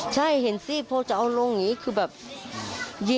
ใช่เห็นสิพอจะเอาลงอย่างนี้คือแบบยิงใส่เลย